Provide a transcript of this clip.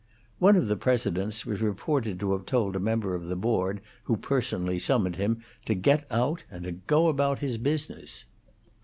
One of the presidents was reported to have told a member of the Board, who personally summoned him, to get out and to go about his business.